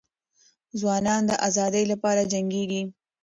ځوانان د ازادۍ لپاره جنګیږي.